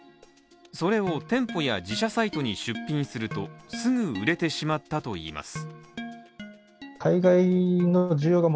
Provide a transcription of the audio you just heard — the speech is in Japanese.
それを店舗や自社サイトに出品するとすぐ売れてしまったといいます。